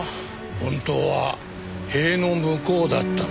本当は塀の向こうだったのだ。